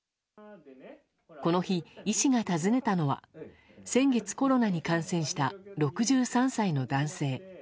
この日、医師が訪ねたのは先月コロナに感染した６３歳の男性。